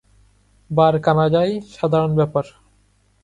বার কানাডায় সাধারণ ব্যাপার।